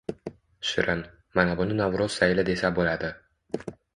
Shirin: mana buni Navro’z sayli desa bo’ladi.